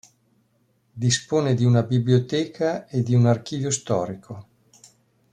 Dispone di una biblioteca e di un archivio storico.